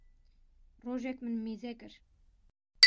rojek min mêze kir